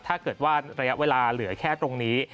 ถ้าเกิดว่าระยะเวลาเหลือแค่ตรงนี้